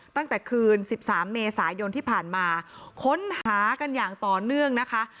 ตั้งแต่คืน๑๓เมษายนที่ผ่านมาค้นหากันอย่างต่อเนื่องนะคะ